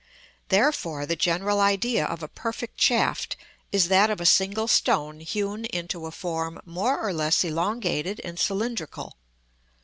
Therefore, the general idea of a perfect shaft is that of a single stone hewn into a form more or less elongated and cylindrical.